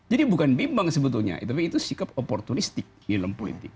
jadi bukan bimbang sebetulnya tapi itu sikap oportunistik di dalam politik